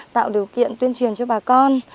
tạo điều kiện tuyên truyền cho bà con